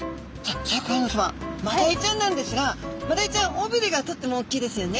シャーク香音さまマダイちゃんなんですがマダイちゃん尾びれがとってもおっきいですよね